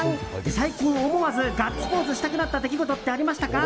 最近、思わずガッツポーズしたくなった出来事ってありましたか？